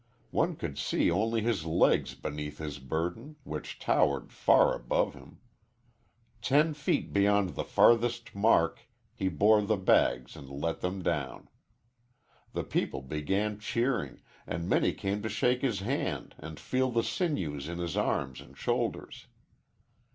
One could see only his legs beneath his burden, which towered far above him. Ten feet beyond the farthest mark he bore the bags and let them down. The people began cheering, and many came to shake his hand and feel the sinews in his arms and shoulders.